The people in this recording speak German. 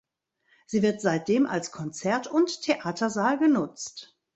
Sie wird seitdem als Konzert- und Theatersaal genutzt.